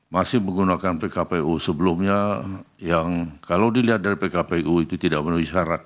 masih menggunakan pkpu sebelumnya yang kalau dilihat dari pkpu itu tidak menuhi syarat